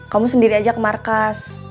kamu sendiri aja ke markas